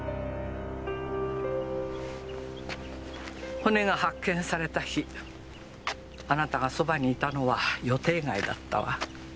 骨が発見された日あなたがそばにいたのは予定外だったわ。